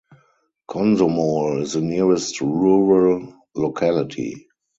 Komsomol is the nearest rural locality.